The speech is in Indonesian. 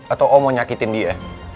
atau oh mau nyakitin dia